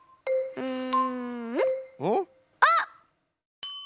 うん。